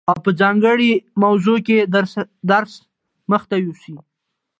او په ځانګړي موضوع کي درس مخته يوسي،